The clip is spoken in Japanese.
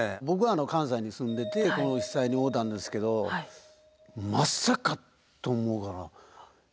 僕は関西に住んでてこの被災に遭うたんですけどまさかと思うから。